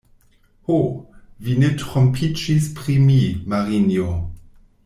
Ho, vi ne trompiĝis pri mi, Marinjo!